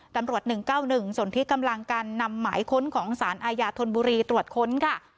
๑๙๑ส่วนที่กำลังการนำหมายค้นของสารอาญาธนบุรีตรวจค้นค่ะ